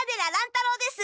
太郎です。